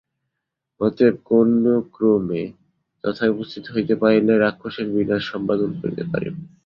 অতএব কোন ক্রমে তথায় উপস্থিত হইতে পারিলে রাক্ষসের বিনাশ সম্পাদন করিতে পারিব।